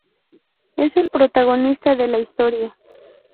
Es el protagonista de la historia.